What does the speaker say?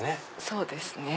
そうですね。